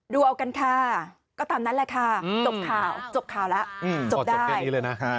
ดูเอากันค่ะก็ตามนั้นแหละค่ะอืมจบข่าวจบข่าวแล้วอืมจบได้อ่ะ